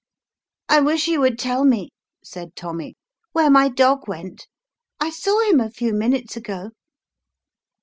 " I wish you would tell me," said Tommy, " where my dog went; I saw him a few minutes ago."